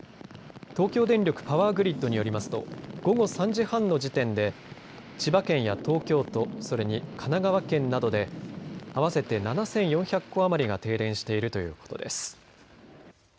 東京電力パワーグリッドによりますと午後３時半の時点で千葉県や東京都、それに神奈川県などで合わせて７４００戸余りが停電しているということです。